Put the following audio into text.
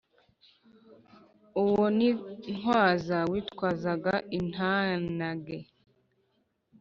uwo ni ntwaza, witwazaga intanage